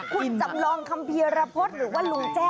คุณจำลองคำเพียรพฤษหรือว่าลุงแจ้